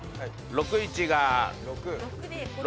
６×１が６。